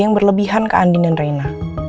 yang berlebihan ke andi dan reina